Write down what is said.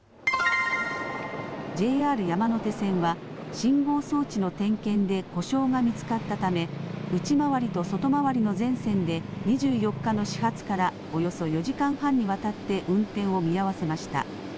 ＪＲ山手線は、信号装置の点検で故障が見つかったため、内回りと外回りの全線で、２４日の始発から、およそ４時間半にわたって運転を見合わせました。